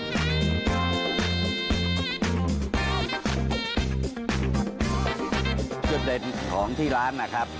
จุดเด่นของที่ร้านนะครับ